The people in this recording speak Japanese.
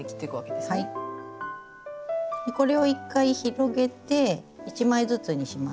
これを１回広げて１枚ずつにします。